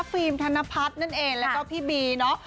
ธนพัฒน์นั่นเองแล้วก็พี่บีเนาะ